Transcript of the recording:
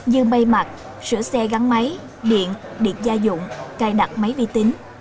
như may mặt sửa xe gắn máy điện điện gia dụng cài đặt máy vi tính